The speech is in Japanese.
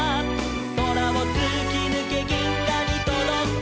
「そらをつきぬけぎんがにとどく」